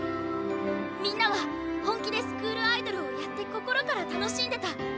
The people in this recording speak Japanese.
みんなは本気でスクールアイドルをやって心から楽しんでた。